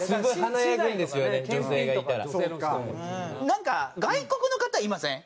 なんか外国の方いません？